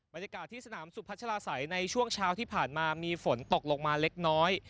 บรรยากาศที่สนามสุพัชลาศัยในช่วงเช้าที่ผ่านมามีฝนตกลงมาเล็กน้อย